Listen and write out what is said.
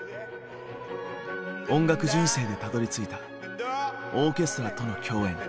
音楽人生でたどりついたオーケストラとの共演。